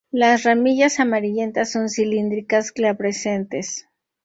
Las ramillas amarillentas, son cilíndricas, glabrescentes.